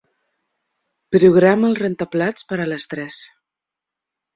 Programa el rentaplats per a les tres.